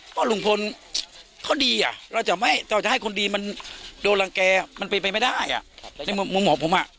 เพราะรุงพลเขาดีอะเราจะให้คนดีมันโดนรังแก่มันไปไปไม่ได้อะ